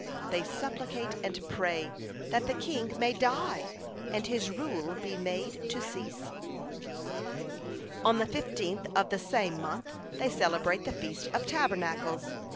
They supplicate and pray that the king may die, and his rule be made to cease. "On the fifteenth of the same month they celebrate the Feast of Tabernacles.